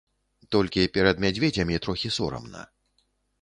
Толькі перад мядзведзямі трохі сорамна.